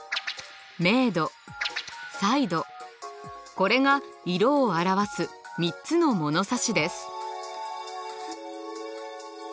これが色を表す３つの物差しです。